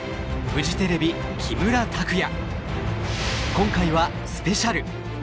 今回はスペシャル！